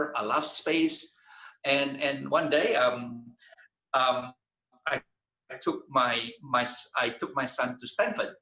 saya membawa anak saya ke stanford